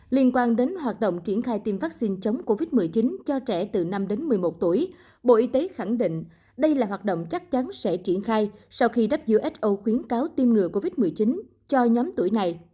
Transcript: liên quan đến hoạt động triển khai tiêm vaccine chống covid một mươi chín cho trẻ từ năm đến một mươi một tuổi bộ y tế khẳng định đây là hoạt động chắc chắn sẽ triển khai sau khi đắp giữa so khuyến cáo tiêm ngừa covid một mươi chín cho nhóm tuổi này